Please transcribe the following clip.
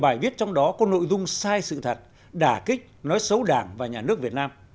bài viết trong đó có nội dung sai sự thật đà kích nói xấu đảng và nhà nước việt nam